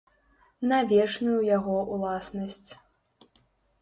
На вечную яго ўласнасць.